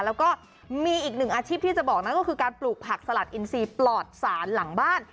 แล้วก็มีอีกหนึ่งอาชีพที่จะบอกนั่นก็คือการปลูกผักสลัดอินซีปลอดศาลหลังบ้าน